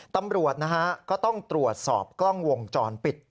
ตำรวจนะฮะก็ต้องตรวจสอบกล้องวงจรปิด